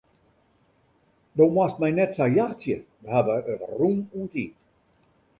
Do moatst my net sa jachtsje, we hawwe it rûm oan tiid.